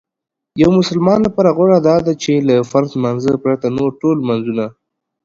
یو مسلمان لپاره غوره داده چې له فرض لمانځه پرته نور ټول لمنځونه